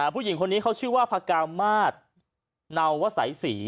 ผู้หญิงคนนี้เขาชื่อว่าพกรามมาสนาววาไสสี